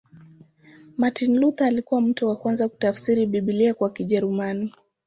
Martin Luther alikuwa mtu wa kwanza kutafsiri Biblia kwa Kijerumani.